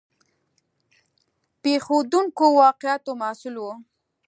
د پېښېدونکو واقعاتو محصول و.